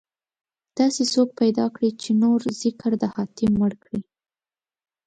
داسې څوک پيدا کړئ، چې نور ذکر د حاتم مړ کړي